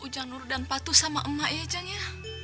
ujang nurd dan patuh sama emak ya jang ya